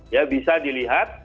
ya bisa dilihat